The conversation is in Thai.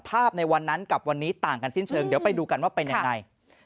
ในวันนั้นกับวันนี้ต่างกันสิ้นเชิงเดี๋ยวไปดูกันว่าเป็นยังไง